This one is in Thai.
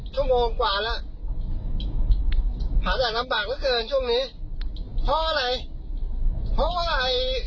ชั่วโมงกว่าแล้วหาแต่ลำบากเหลือเกินช่วงนี้เพราะอะไรเพราะว่าอะไร